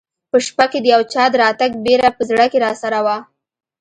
په شپه کې د یو چا د راتګ بېره په زړه کې راسره وه.